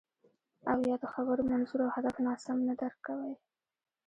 او یا د خبرو منظور او هدف ناسم نه درک کوئ